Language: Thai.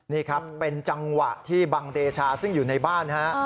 นี่ครับเป็นจังหวะที่บังเดชาซึ่งอยู่ในบ้านฮะ